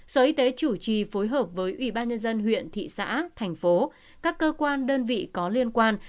sở y tế chủ trì phối hợp với ubnd huyện thị xã thành phố các cơ quan đơn vị có liên quan